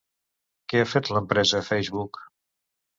Què ha fet l'empresa Facebook?